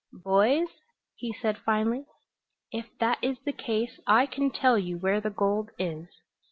"Boys," he said finally, "if that is the case I can tell you where the gold is.